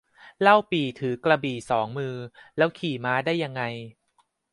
เล่าปี่ถือกระบี่สองมือ แล้วขี่ม้าได้ยังไง